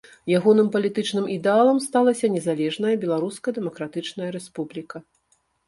Ягоным палітычным ідэалам сталася незалежная Беларуская Дэмакратычная Рэспубліка.